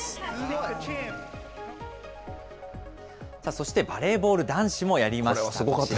そしてバレーボール男子もやりました。